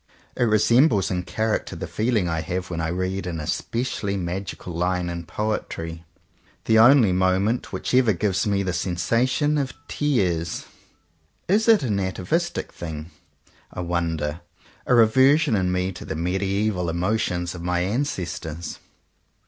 It resembles in character the feeling I have when I read an especially magical line in poetry — the only moment which ever gives me the sensation of tears. Is it an atavistic thing, I wonder; a rever sion in me to the mediaeval emotions of my ancestors?